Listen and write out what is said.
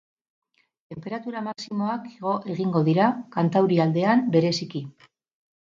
Tenperatura maximoak igo egingo dira, kantaurialdean bereziki.